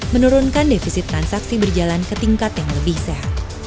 menurunkan defisit transaksi berjalan ke tingkat yang lebih sehat